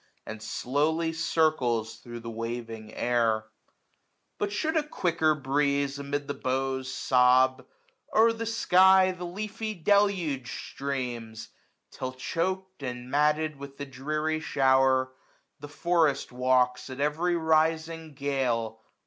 And slowly circles thro' the waving air, ggm But should a quicker breeze amid the boughs Sob, o'er the sky the leafy deluge streams ; Till choak'd, and matted with the dreary shower. The forest walks, at every rising gale.